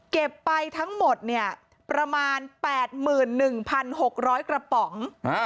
ไปทั้งหมดเนี่ยประมาณ๘๑๖๐๐กระป๋อง